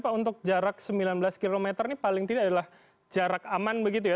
pak untuk jarak sembilan belas km ini paling tidak adalah jarak aman begitu ya